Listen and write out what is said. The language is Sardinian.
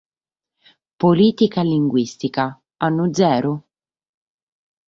Polìtica linguìstica: annu zero?